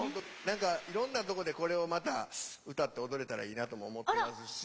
何かいろんなとこでこれをまた歌って踊れたらいいなとも思ってますし。